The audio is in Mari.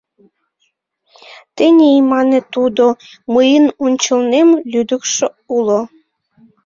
— Тений, — мане тудо, — мыйын ончылнем лӱдыкшӧ уло.